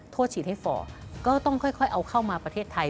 ฉีดให้ฝ่อก็ต้องค่อยเอาเข้ามาประเทศไทย